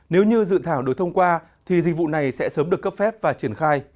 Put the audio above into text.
nếu như dự thảo được thông qua thì dịch vụ này sẽ sớm được cấp phép và triển khai